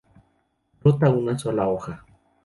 Brota una sola hoja.